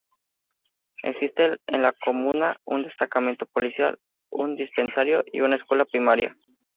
Existen en la comuna un destacamento policial, un dispensario y una escuela primaria.